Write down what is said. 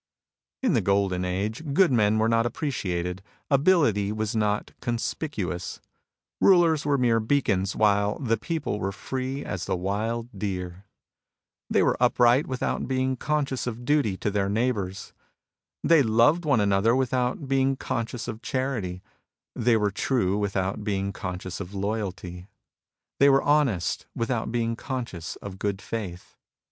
In the Golden Age good men were not appre ciated ; ability was not conspicuous. Rulers were mere beacons, while the people were free as the wild deer. They were upright without being conscious of duty to their neighbours. They loved one another without being conscious of charity. They were true without being conscious of loyalty. They were honest without being conscious of good faith.